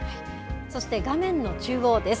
そして画面の中央です。